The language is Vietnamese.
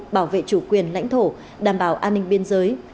bảo vệ chủ quyền lãnh thổ đảm bảo an ninh biên giới